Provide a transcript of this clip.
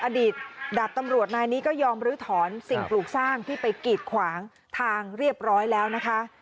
อดีตดาบตำรวจนายนี้ก็ยอมลื้อถอนสิ่งปลูกสร้างที่ไปกีดขวางทางเรียบร้อยแล้วนะคะ